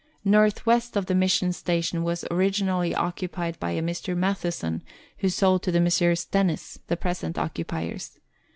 North west of the Mission Station was originally occupied by a Mr. Matheson, who sold to the Messrs. Dennis, the present occupiers.